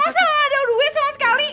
masa ada duit sama sekali